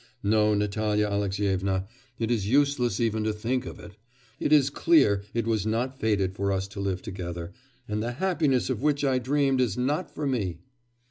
No, Natalya Alexyevna; it is useless even to think of it. It is clear it was not fated for us to live together, and the happiness of which I dreamed is not for me!